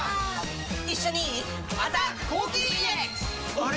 あれ？